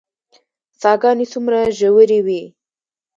څاه ګانې څومره ژورې وي؟